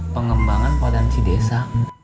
pengembangan potensi desa